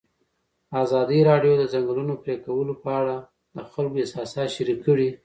ازادي راډیو د د ځنګلونو پرېکول په اړه د خلکو احساسات شریک کړي.